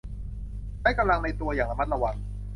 ใช้กำลังในตัวอย่างระมัดระวัง